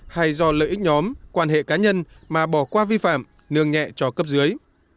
hay do lợi ích nhóm quan hệ cá nhân mà bỏ qua vi phạm nương nhẹ cho cấp dưới